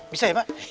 bisa ya pak